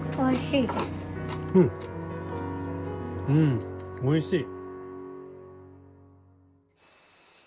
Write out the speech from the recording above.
うんおいしい。